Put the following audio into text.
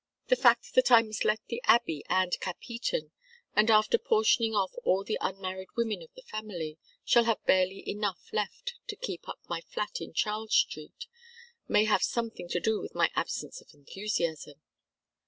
The fact that I must let the Abbey and Capheaton, and after portioning off all the unmarried women of the family, shall have barely enough left to keep up my flat in Charles Street, may have something to do with my absence of enthusiasm.